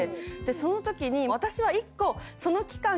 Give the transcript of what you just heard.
その時に私は１個その期間